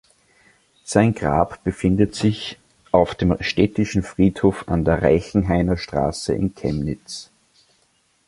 Sein Grab befindet sich auf dem Städtischen Friedhof an der Reichenhainer Straße in Chemnitz.